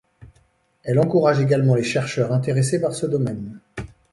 Elle encourage également les chercheurs intéressés par ce domaine.